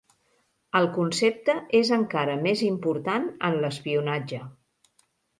El concepte és encara més important en l'espionatge.